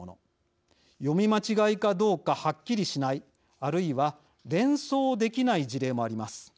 読み間違いかどうかはっきりしないあるいは連想できない事例もあります。